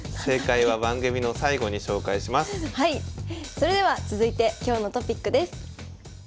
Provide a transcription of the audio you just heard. それでは続いて今日のトピックです。